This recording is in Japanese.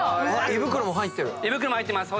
胃袋も入ってます。